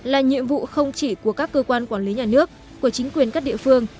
là nhiệm vụ không chỉ của các cơ quan quản lý nhà nước của chính quyền các địa phương